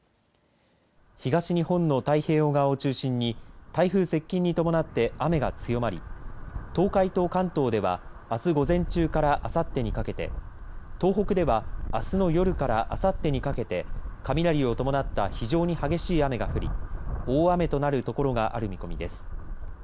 東日本の太平洋側を中心に台風接近に伴って雨が強まり東海と関東では、あす午前中からあさってにかけて東北ではあすの夜からあさってにかけて雷を伴った非常に激しい雨が降り大雨となるところがある見込みです。